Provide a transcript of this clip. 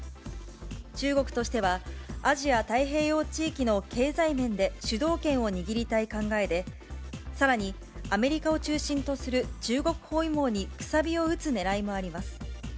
中国としては、アジア太平洋地域の経済面で主導権を握りたい考えで、さらにアメリカを中心とする中国包囲網にくさびを打つねらいもあります。